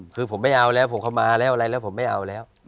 คือผมไม่เอาแล้วผมเข้ามาแล้วอะไรแล้วผมไม่เอาแล้ว